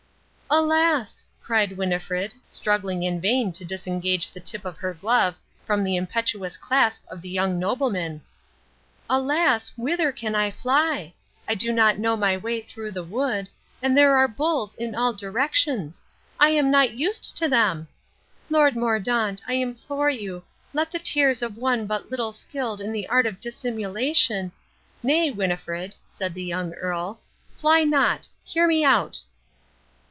"Alas," cried Winnifred, struggling in vain to disengage the tip of her glove from the impetuous clasp of the young nobleman, "alas, whither can I fly? I do not know my way through the wood, and there are bulls in all directions. I am not used to them! Lord Mordaunt, I implore you, let the tears of one but little skilled in the art of dissimulation " "Nay, Winnifred," said the Young Earl, "fly not. Hear me out!"